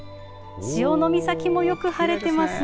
潮岬もよく晴れていますね。